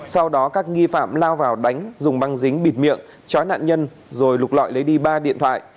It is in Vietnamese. sau đó các nghi phạm lao vào đánh dùng băng dính bịt miệng chói nạn nhân rồi lục lọi lấy đi ba điện thoại